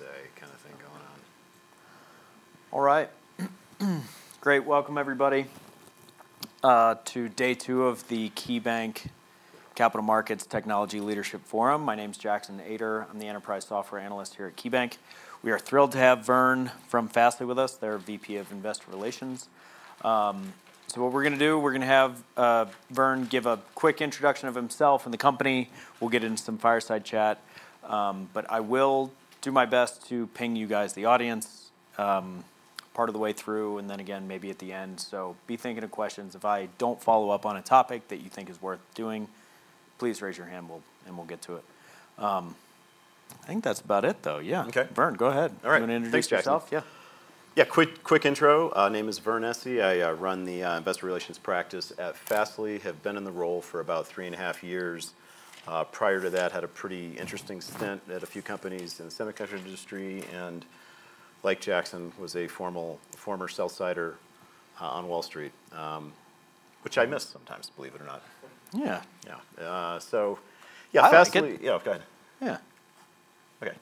Little PSA kind of thing going on. All right. Great. Welcome, everybody, to day two of the KeyBanc Capital Markets Technology Leadership Forum. My name is Jackson Ader. I'm the Enterprise Software Analyst here at KeyBanc. We are thrilled to have Vern from Fastly with us, their VP of Investor Relations. What we're going to do, we're going to have Vern give a quick introduction of himself and the company. We'll get into some fireside chat. I will do my best to ping you guys, the audience, part of the way through and then again maybe at the end. Be thinking of questions. If I don't follow up on a topic that you think is worth doing, please raise your hand and we'll get to it. I think that's about it, though. Yeah. Okay. Vern, go ahead. All right. Thanks, Jackson. Introduce yourself. Yeah. Yeah. Quick intro. Name is Vern Essie. I run the Investor Relations practice at Fastly. I have been in the role for about three and a half years. Prior to that, I had a pretty interesting stint at a few companies in the semiconductor industry and, like Jackson, was a former sell-sider on Wall Street, which I miss sometimes, believe it or not. Yeah. Yeah, Fastly. Yeah, go ahead. Yeah. OK.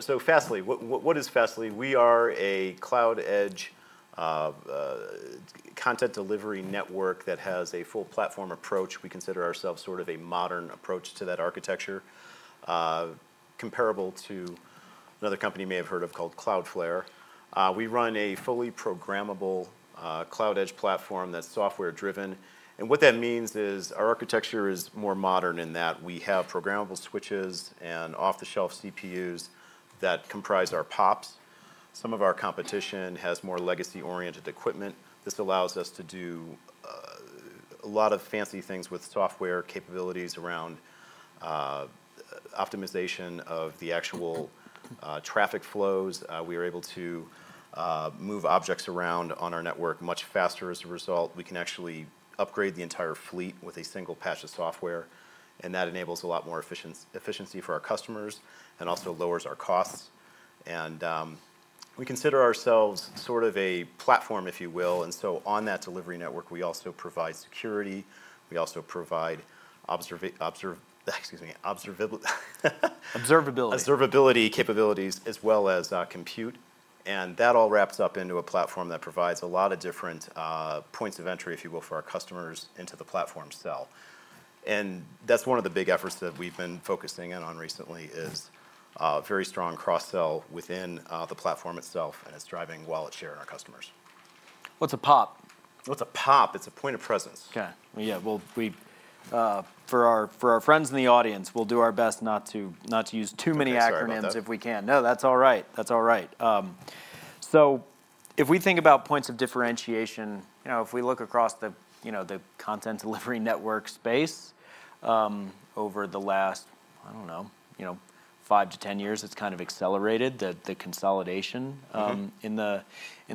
So Fastly, what is Fastly? We are a cloud-edge content delivery network that has a full platform approach. We consider ourselves sort of a modern approach to that architecture, comparable to another company you may have heard of called Cloudflare. We run a fully programmable cloud-edge platform that's software-driven. What that means is our architecture is more modern in that we have programmable switches and off-the-shelf CPUs that comprise our PoPs. Some of our competition has more legacy-oriented equipment. This allows us to do a lot of fancy things with software capabilities around optimization of the actual traffic flows. We are able to move objects around on our network much faster as a result. We can actually upgrade the entire fleet with a single patch of software. That enables a lot more efficiency for our customers and also lowers our costs. We consider ourselves sort of a platform, if you will. On that delivery network, we also provide security. We also provide observability capabilities, as well as compute. That all wraps up into a platform that provides a lot of different points of entry, if you will, for our customers into the platform itself. That's one of the big efforts that we've been focusing in on recently is a very strong cross-sell within the platform itself. It's driving wallet share in our customers. What's a PoP? What's a PoP? It's a point of presence. OK. Yeah, for our friends in the audience, we'll do our best not to use too many acronyms if we can. No, that's all right. That's all right. If we think about points of differentiation, if we look across the content delivery network space over the last, I don't know, five to 10 years, it's kind of accelerated, the consolidation in the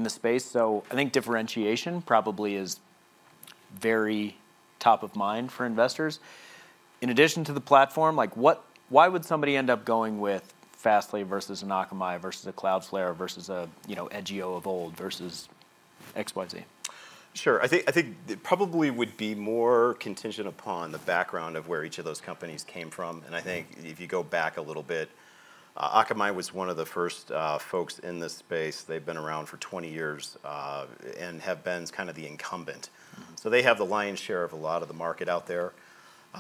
space. I think differentiation probably is very top of mind for investors. In addition to the platform, why would somebody end up going with Fastly versus an Akamai versus a Cloudflare versus an Edgio of old versus XYZ? Sure. I think it probably would be more contingent upon the background of where each of those companies came from. I think if you go back a little bit, Akamai was one of the first folks in this space. They've been around for 20 years and have been kind of the incumbent. They have the lion's share of a lot of the market out there.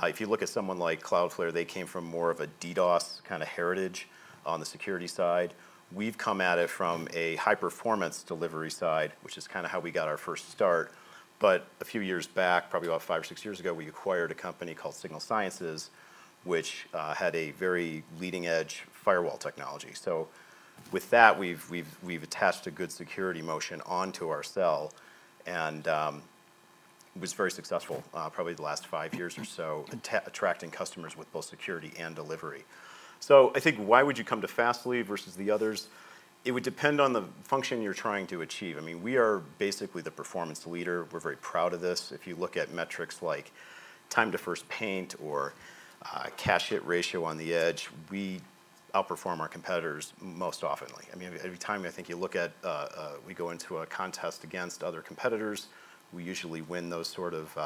If you look at someone like Cloudflare, they came from more of a DDoS kind of heritage on the security side. We've come at it from a high-performance delivery side, which is kind of how we got our first start. A few years back, probably about five or six years ago, we acquired a company called Signal Sciences, which had a very leading-edge firewall technology. With that, we've attached a good security motion onto our sell and was very successful, probably the last five years or so, attracting customers with both security and delivery. I think why would you come to Fastly versus the others? It would depend on the function you're trying to achieve. I mean, we are basically the performance leader. We're very proud of this. If you look at metrics like time to first paint or cache hit ratio on the edge, we outperform our competitors most often. Every time I think you look at, we go into a contest against other competitors, we usually win those sort of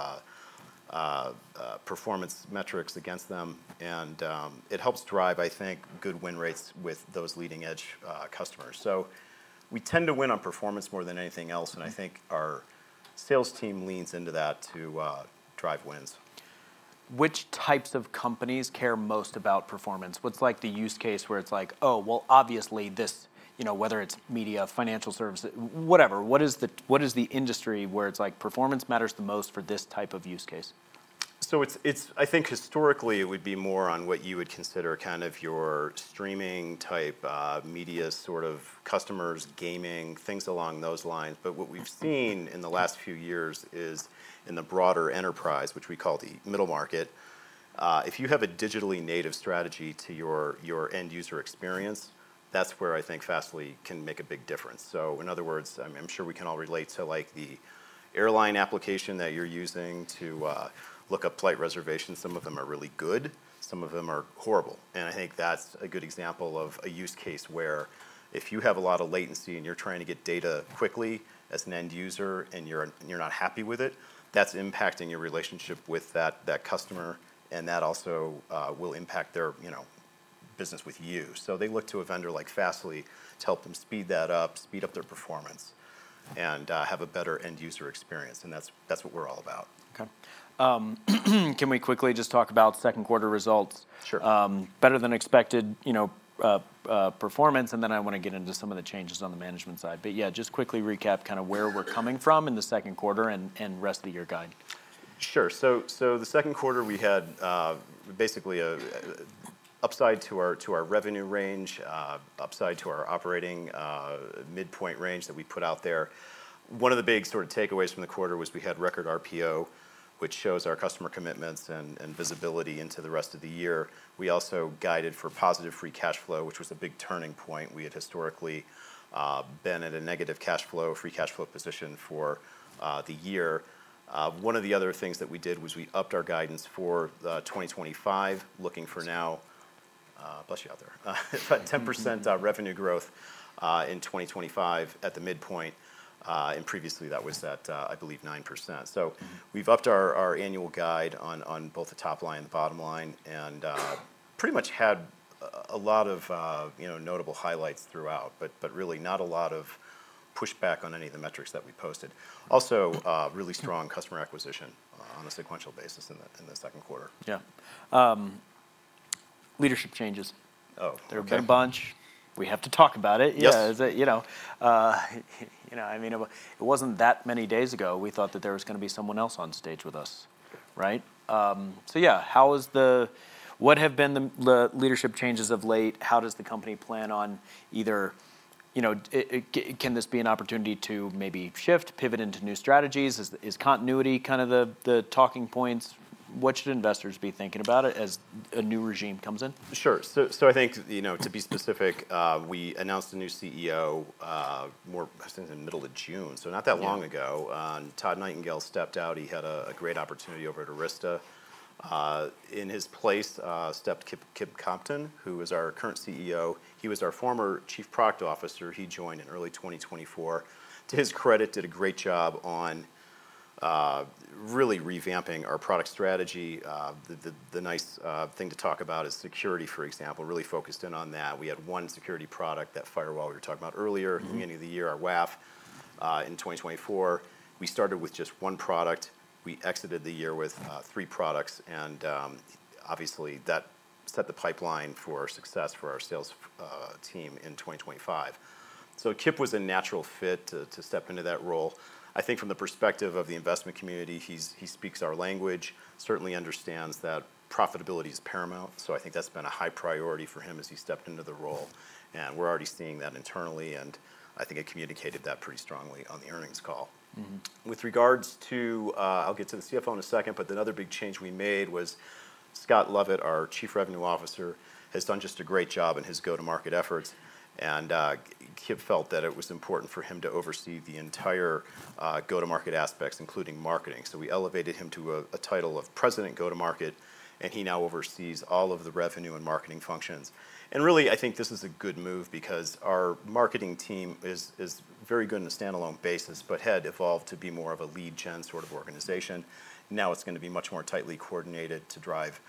performance metrics against them. It helps drive, I think, good win rates with those leading-edge customers. We tend to win on performance more than anything else. I think our sales team leans into that to drive wins. Which types of companies care most about performance? What's like the use case where it's like, oh, obviously this, whether it's media, financial services, whatever. What is the industry where it's like performance matters the most for this type of use case? I think historically, it would be more on what you would consider kind of your streaming type media, sort of customers, gaming, things along those lines. What we've seen in the last few years is in the broader enterprise, which we call the middle market, if you have a digitally native strategy to your end user experience, that's where I think Fastly can make a big difference. In other words, I'm sure we can all relate to like the airline application that you're using to look up flight reservations. Some of them are really good. Some of them are horrible. I think that's a good example of a use case where if you have a lot of latency and you're trying to get data quickly as an end user and you're not happy with it, that's impacting your relationship with that customer. That also will impact their business with you. They look to a vendor like Fastly to help them speed that up, speed up their performance, and have a better end user experience. That's what we're all about. OK. Can we quickly just talk about second quarter results? Sure. Better than expected performance. I want to get into some of the changes on the management side. Just quickly recap kind of where we're coming from in the second quarter and the rest of the year guide. Sure. The second quarter, we had basically an upside to our revenue range, upside to our operating midpoint range that we put out there. One of the big sort of takeaways from the quarter was we had record RPO, which shows our customer commitments and visibility into the rest of the year. We also guided for positive free cash flow, which was a big turning point. We had historically been at a negative free cash flow position for the year. One of the other things that we did was we upped our guidance for 2025, looking for now, bless you out there, 10% revenue growth in 2025 at the midpoint. Previously, that was at, I believe, 9%. We've upped our annual guide on both the top line and the bottom line and pretty much had a lot of notable highlights throughout, but really not a lot of pushback on any of the metrics that we posted. Also, really strong customer acquisition on a sequential basis in the second quarter. Yeah, leadership changes. Oh. They're a big bunch. We have to talk about it. Yeah. I mean, it wasn't that many days ago we thought that there was going to be someone else on stage with us, right? What have been the leadership changes of late? How does the company plan on either, can this be an opportunity to maybe shift, pivot into new strategies? Is continuity kind of the talking points? What should investors be thinking about as a new regime comes in? Sure. I think to be specific, we announced a new CEO more I think in the middle of June, so not that long ago. Todd Nightingale stepped out. He had a great opportunity over at Arista. In his place stepped Kip Compton, who is our current CEO. He was our former Chief Product Officer. He joined in early 2024. To his credit, did a great job on really revamping our product strategy. The nice thing to talk about is security, for example, really focused in on that. We had one security product, that firewall we were talking about earlier, at the beginning of the year, our WAF, in 2024. We started with just one product. We exited the year with three products. Obviously, that set the pipeline for success for our sales team in 2025. Kip was a natural fit to step into that role. I think from the perspective of the investment community, he speaks our language, certainly understands that profitability is paramount. I think that's been a high priority for him as he stepped into the role. We're already seeing that internally. I think I communicated that pretty strongly on the earnings call. With regards to, I'll get to the CFO in a second, but another big change we made was Scott Lovett, our Chief Revenue Officer, has done just a great job in his go-to-market efforts. Kip felt that it was important for him to oversee the entire go-to-market aspects, including marketing. We elevated him to a title of President, Go-To-Market. He now oversees all of the revenue and marketing functions. I think this is a good move because our marketing team is very good on a standalone basis, but had evolved to be more of a lead gen sort of organization. Now it's going to be much more tightly coordinated to drive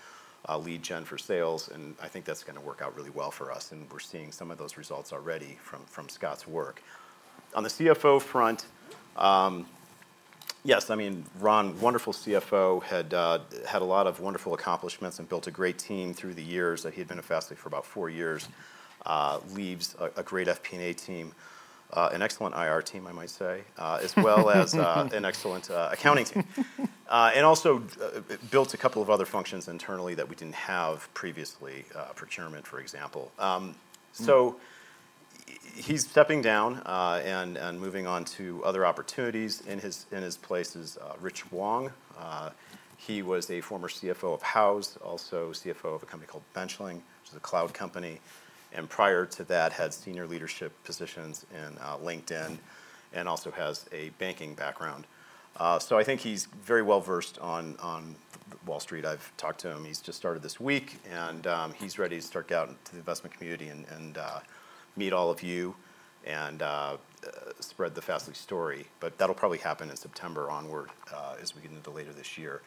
lead gen for sales. I think that's going to work out really well for us. We're seeing some of those results already from Scott's work. On the CFO front, yes, I mean, Ron, wonderful CFO, had had a lot of wonderful accomplishments and built a great team through the years that he had been at Fastly for about four years. Leads a great FP&A team, an excellent IR team, I might say, as well as an excellent accounting team. Also built a couple of other functions internally that we didn't have previously, procurement, for example. He's stepping down and moving on to other opportunities. In his place is Rich Wong. He was a former CFO of Houzz, also CFO of a company called Benchling, which is a cloud company. Prior to that, had senior leadership positions in LinkedIn and also has a banking background. I think he's very well versed on Wall Street. I've talked to him. He's just started this week. He's ready to start out into the investment community and meet all of you and spread the Fastly story. That'll probably happen in September onward as we get into later this year.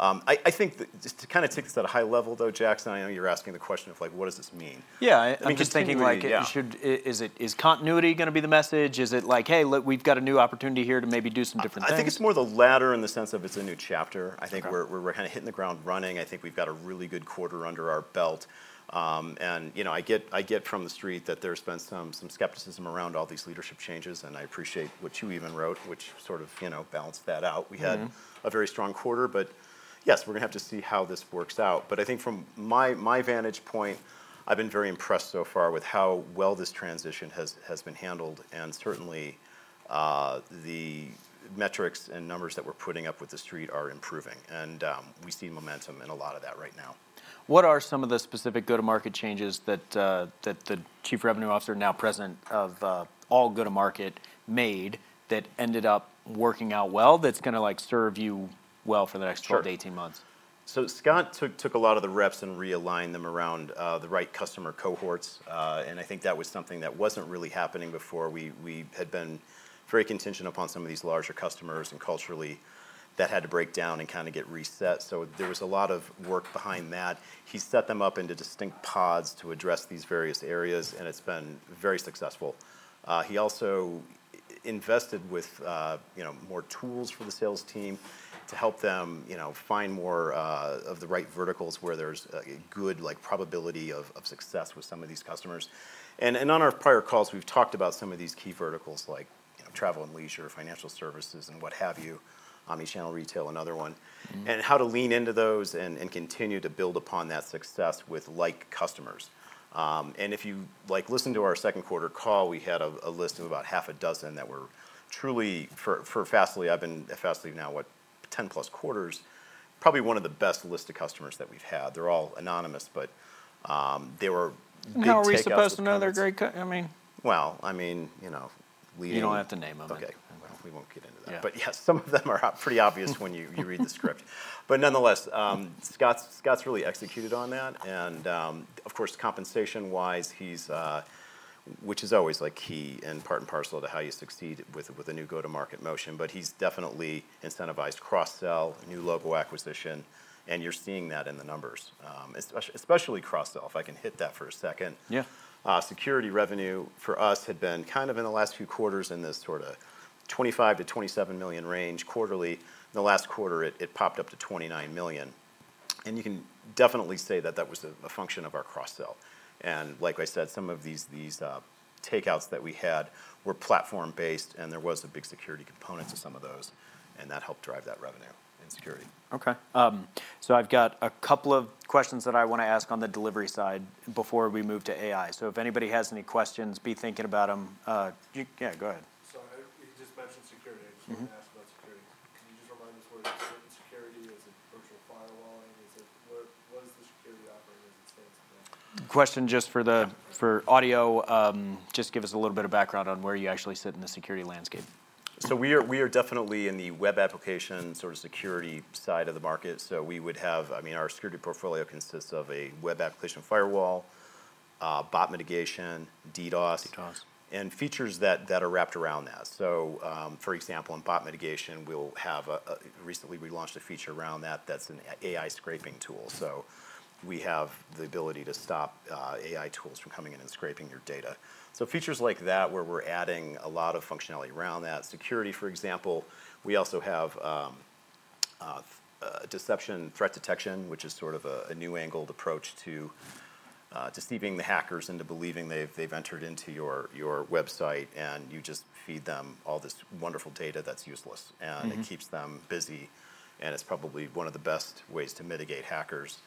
I think just to kind of take this at a high level, though, Jackson, I know you're asking the question of like, what does this mean? I'm just thinking, is continuity going to be the message? Is it like, hey, look, we've got a new opportunity here to maybe do some different things? I think it's more the latter in the sense of it's a new chapter. I think we're kind of hitting the ground running. I think we've got a really good quarter under our belt. I get from the street that there's been some skepticism around all these leadership changes. I appreciate what you even wrote, which sort of balanced that out. We had a very strong quarter. Yes, we're going to have to see how this works out. I think from my vantage point, I've been very impressed so far with how well this transition has been handled. Certainly, the metrics and numbers that we're putting up with the street are improving. We see momentum in a lot of that right now. What are some of the specific go-to-market changes that the Chief Revenue Officer, now President of all Go-To-Market, made that ended up working out well that's going to serve you well for the next 12-18 months? Scott took a lot of the reps and realigned them around the right customer cohorts. I think that was something that wasn't really happening before. We had been very contingent upon some of these larger customers, and culturally that had to break down and kind of get reset. There was a lot of work behind that. He set them up into distinct pods to address these various areas, and it's been very successful. He also invested with more tools for the sales team to help them find more of the right verticals where there's a good probability of success with some of these customers. On our prior calls, we've talked about some of these key verticals like travel and leisure, financial services, and what have you. Omnichannel retail, another one. How to lean into those and continue to build upon that success with like customers. If you listen to our second quarter call, we had a list of about half a dozen that were truly, for Fastly, I've been at Fastly now, what, 10+ quarters, probably one of the best listed customers that we've had. They're all anonymous, but they were. Are we supposed to know they're great? I mean, you know. You don't have to name them. OK, we won't get into that. Some of them are pretty obvious when you read the script. Nonetheless, Scott's really executed on that. Of course, compensation-wise, which is always key and part and parcel to how you succeed with a new go-to-market motion, he's definitely incentivized cross-sell and new logo acquisition. You're seeing that in the numbers, especially cross-sell, if I can hit that for a second. Yeah. Security revenue for us had been kind of in the last few quarters in this sort of $25 million-$27 million range quarterly. In the last quarter, it popped up to $29 million. You can definitely say that that was a function of our cross-sell. Like I said, some of these takeouts that we had were platform-based. There was a big security component to some of those, and that helped drive that revenue in security. OK. I've got a couple of questions that I want to ask on the delivery side before we move to AI. If anybody has any questions, be thinking about them. Yeah, go ahead. You just mentioned security. I just wanted to ask about security. Can you just remind us where this is at? Security, is it virtual firewalling? Is it? Question just for the audio, just give us a little bit of background on where you actually sit in the security landscape. We are definitely in the web application sort of security side of the market. We would have, I mean, our security portfolio consists of a web application firewall, bot mitigation, DDoS, and features that are wrapped around that. For example, in bot mitigation, we have recently launched a feature around that that's an AI scraping tool. We have the ability to stop AI tools from coming in and scraping your data. Features like that where we're adding a lot of functionality around that, security, for example. We also have deception threat detection, which is sort of a new angled approach to deceiving the hackers into believing they've entered into your website. You just feed them all this wonderful data that's useless. It keeps them busy. It's probably one of the best ways to mitigate hackers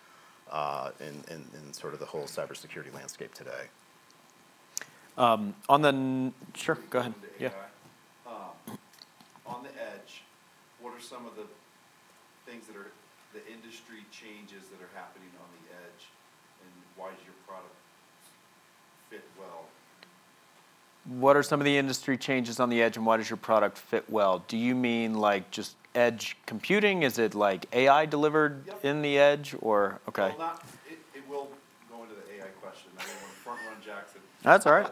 in sort of the whole cybersecurity landscape today. On the. Sure. Go ahead. On the edge, what are some of the things that are the industry changes that are happening on the edge? Why is your. What are some of the industry changes on the edge and why does your product fit well? Do you mean like just edge computing? Is it like AI delivered in the edge or OK. It will go into the AI question. I don't want to front-row Jackson. That's all right.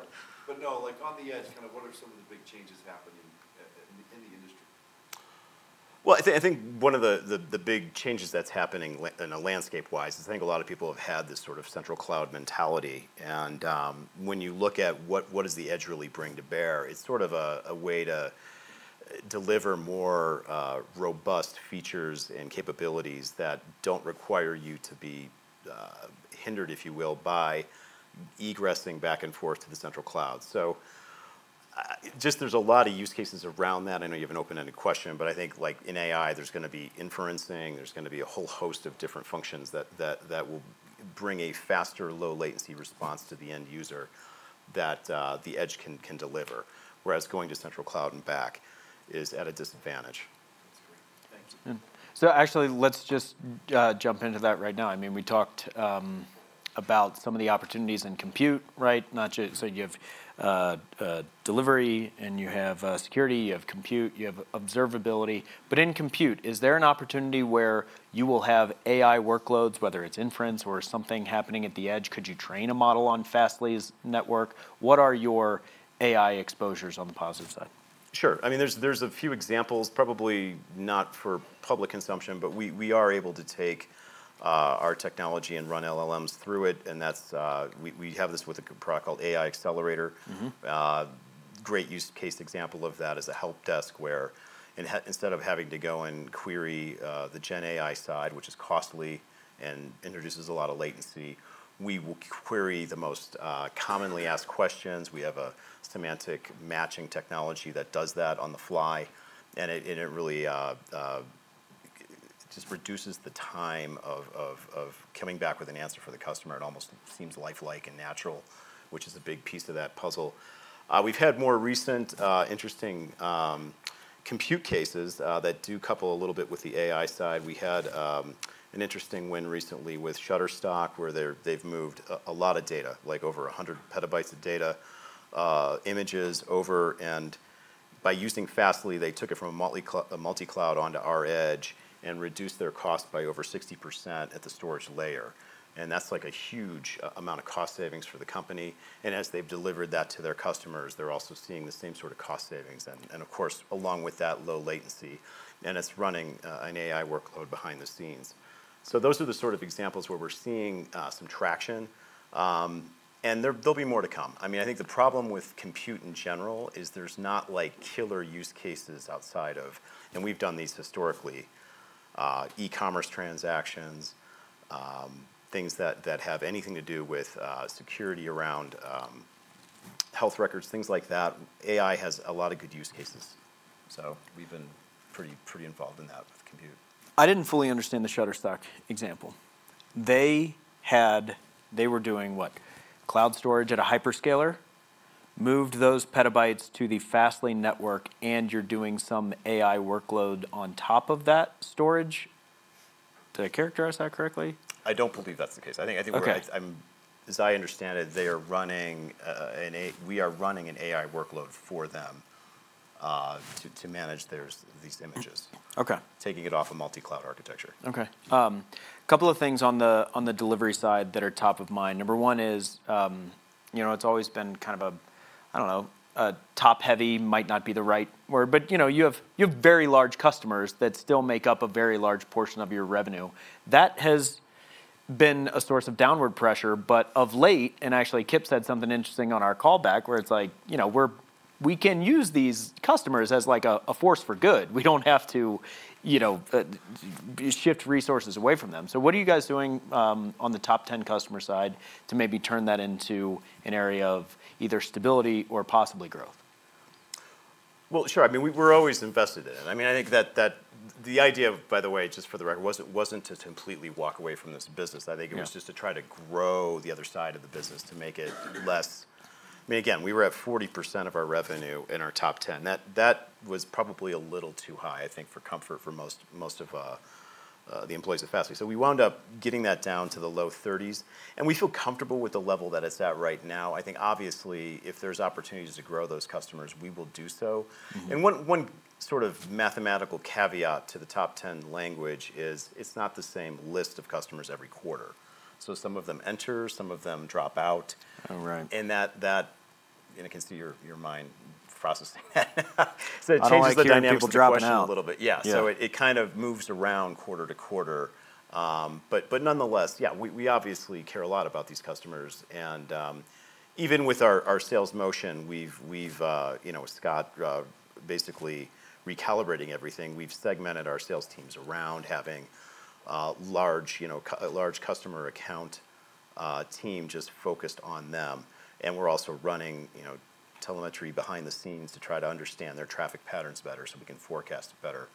On the edge, kind of what are some of the big changes happening in the industry? I think one of the big changes that's happening in a landscape-wise is I think a lot of people have had this sort of central cloud mentality. When you look at what does the edge really bring to bear, it's sort of a way to deliver more robust features and capabilities that don't require you to be hindered, if you will, by egressing back and forth to the central cloud. There's a lot of use cases around that. I know you have an open-ended question. I think like in AI, there's going to be inferencing. There's going to be a whole host of different functions that will bring a faster, low latency response to the end user that the edge can deliver. Whereas going to central cloud and back is at a disadvantage. Let's just jump into that right now. I mean, we talked about some of the opportunities in compute, right? You have delivery and you have security, you have compute, you have observability. In compute, is there an opportunity where you will have AI workloads, whether it's inference or something happening at the edge? Could you train a model on Fastly's network? What are your AI exposures on the positive side? Sure. I mean, there's a few examples, probably not for public consumption. We are able to take our technology and run LLMs through it. We have this with a product called AI Accelerator. A great use case example of that is a help desk where instead of having to go and query the Gen AI side, which is costly and introduces a lot of latency, we will query the most commonly asked questions. We have a semantic matching technology that does that on the fly. It really just reduces the time of coming back with an answer for the customer. It almost seems lifelike and natural, which is a big piece of that puzzle. We've had more recent interesting compute cases that do couple a little bit with the AI side. We had an interesting win recently with Shutterstock, where they've moved a lot of data, like over 100 PB of data, images over. By using Fastly, they took it from a multi-cloud onto our edge and reduced their cost by over 60% at the storage layer. That's a huge amount of cost savings for the company. As they've delivered that to their customers, they're also seeing the same sort of cost savings. Of course, along with that, low latency. It's running an AI workload behind the scenes. Those are the sort of examples where we're seeing some traction. There'll be more to come. I think the problem with compute in general is there's not like killer use cases outside of, and we've done these historically, e-commerce transactions, things that have anything to do with security around health records, things like that. AI has a lot of good use cases. We've been pretty involved in that with compute. I didn't fully understand the Shutterstock example. They were doing what? Cloud storage at a hyperscaler, moved those petabytes to the Fastly network, and you're doing some AI workload on top of that storage. Did I characterize that correctly? I don't believe that's the case. I think, as I understand it, they are running an AI workload for them to manage these images, taking it off a multi-cloud architecture. OK. A couple of things on the delivery side that are top of mind. Number one is, you know, it's always been kind of a, I don't know, top heavy might not be the right word. You have very large customers that still make up a very large portion of your revenue. That has been a source of downward pressure. Of late, actually Kip said something interesting on our callback where it's like, you know, we can use these customers as like a force for good. We don't have to shift resources away from them. What are you guys doing on the top 10 customer side to maybe turn that into an area of either stability or possibly growth? I mean, we're always invested in it. I think that the idea of, by the way, just for the record, wasn't to completely walk away from this business. I think it was just to try to grow the other side of the business to make it less. I mean, again, we were at 40% of our revenue in our top 10. That was probably a little too high, I think, for comfort for most of the employees at Fastly. We wound up getting that down to the low 30s, and we feel comfortable with the level that it's at right now. I think obviously, if there's opportunities to grow those customers, we will do so. One sort of mathematical caveat to the top 10 language is it's not the same list of customers every quarter. Some of them enter, some of them drop out. Oh, right. I can see your mind processing that. It changes the dynamic of the question. It drops out a little bit. Yeah, it kind of moves around quarter to quarter. Nonetheless, we obviously care a lot about these customers. Even with our sales motion, we've got Scott basically recalibrating everything. We've segmented our sales teams around having a large customer account team just focused on them. We're also running telemetry behind the scenes to try to understand their traffic patterns better so we can forecast better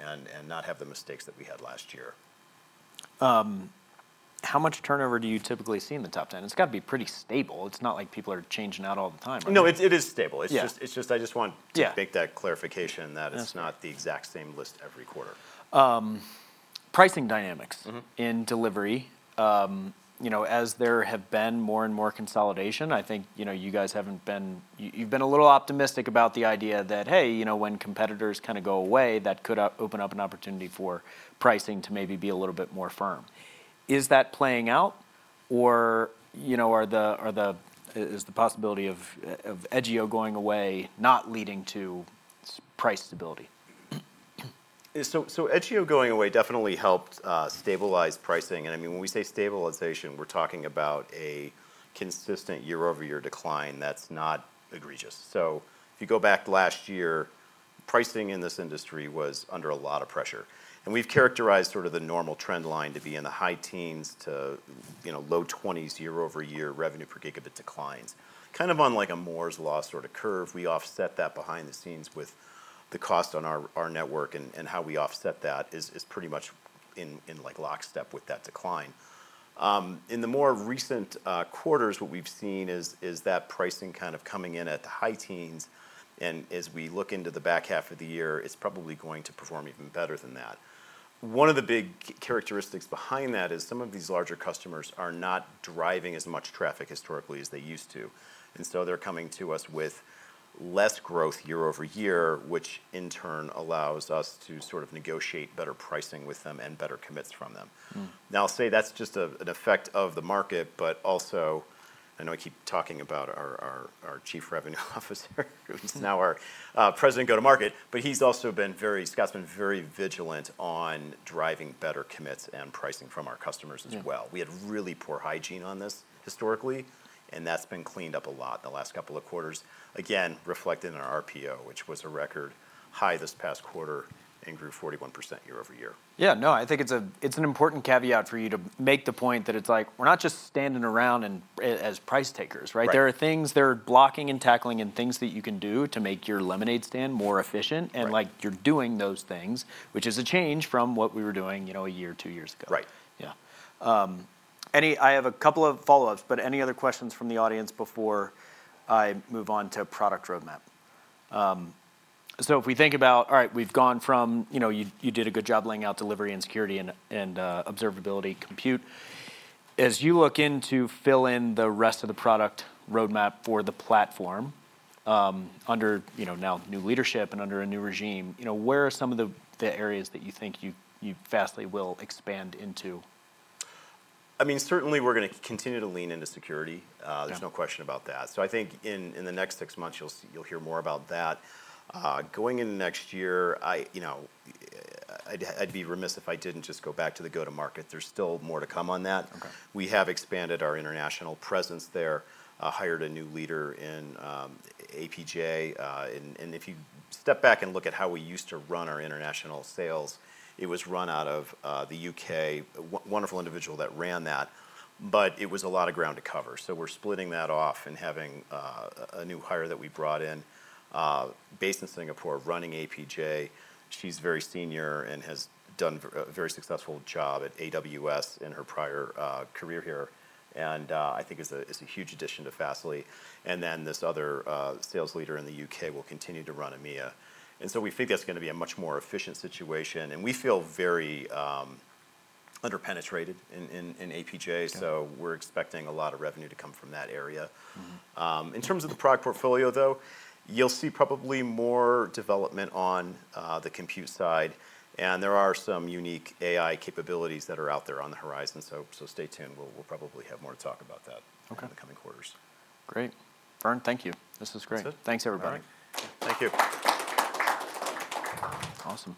and not have the mistakes that we had last year. How much turnover do you typically see in the top 10? It's got to be pretty stable. It's not like people are changing out all the time. No, it is stable. I just want to make that clarification that it's not the exact same list every quarter. Pricing dynamics in delivery, as there have been more and more consolidation, I think you guys have been a little optimistic about the idea that, hey, you know, when competitors kind of go away, that could open up an opportunity for pricing to maybe be a little bit more firm. Is that playing out? Is the possibility of Edgio going away not leading to price stability? Edgio going away definitely helped stabilize pricing. When we say stabilization, we're talking about a consistent year-over-year decline that's not egregious. If you go back last year, pricing in this industry was under a lot of pressure. We've characterized sort of the normal trend line to be in the high teens to low 20s year-over-year revenue per gigabit declines, kind of on like a Moore's Law sort of curve. We offset that behind the scenes with the cost on our network, and how we offset that is pretty much in lock step with that decline. In the more recent quarters, what we've seen is that pricing kind of coming in at the high teens. As we look into the back half of the year, it's probably going to perform even better than that. One of the big characteristics behind that is some of these larger customers are not driving as much traffic historically as they used to, so they're coming to us with less growth year-over-year, which in turn allows us to sort of negotiate better pricing with them and better commits from them. I'll say that's just an effect of the market. I know I keep talking about our Chief Revenue Officer, who's now our President, Go-To-Market, but he's also been very, Scott's been very vigilant on driving better commits and pricing from our customers as well. We had really poor hygiene on this historically, and that's been cleaned up a lot in the last couple of quarters, again reflected in our RPO, which was a record high this past quarter and grew 41% year-over-year. Yeah, no, I think it's an important caveat for you to make the point that it's like we're not just standing around as price takers. There are things, they're blocking and tackling, and things that you can do to make your lemonade stand more efficient. You're doing those things, which is a change from what we were doing a year or two years ago. Right. Yeah. I have a couple of follow-ups. Any other questions from the audience before I move on to product roadmap? If we think about, all right, we've gone from, you did a good job laying out delivery and security and observability compute. As you look in to fill in the rest of the product roadmap for the platform under now new leadership and under a new regime, where are some of the areas that you think you Fastly will expand into? I mean, certainly, we're going to continue to lean into security. There's no question about that. I think in the next six months, you'll hear more about that. Going into next year, I'd be remiss if I didn't just go back to the go-to-market. There's still more to come on that. We have expanded our international presence there, hired a new leader in APJ. If you step back and look at how we used to run our international sales, it was run out of the U.K., a wonderful individual that ran that. It was a lot of ground to cover. We're splitting that off and having a new hire that we brought in based in Singapore, running APJ. She's very senior and has done a very successful job at AWS in her prior career here. I think it's a huge addition to Fastly. This other sales leader in the U.K. will continue to run EMEA. We think that's going to be a much more efficient situation. We feel very underpenetrated in APJ. We're expecting a lot of revenue to come from that area. In terms of the product portfolio, you'll see probably more development on the compute side. There are some unique AI capabilities that are out there on the horizon. Stay tuned. We'll probably have more to talk about that in the coming quarters. Great. Vern, thank you. This was great. Thanks, everybody. Thank you. Awesome.